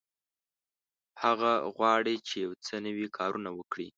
هغه غواړي چې یو څه نوي کارونه وکړي.